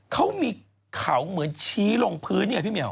เขามีเขาเหมือนชี้ลงพื้นเนี่ยพี่เหี่ยว